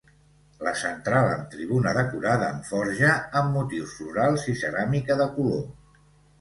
La central amb tribuna decorada amb forja amb motius florals i ceràmica de color.